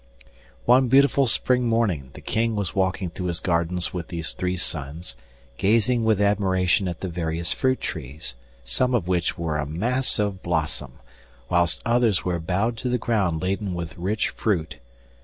One beautiful spring morning the King was walking through his gardens with these three sons, gazing with admiration at the various fruit trees, some of which were a mass of blossom, whilst others were bowed to the ground laden with rich fruit.